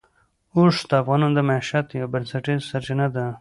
اوښ د افغانانو د معیشت یوه بنسټیزه سرچینه ده.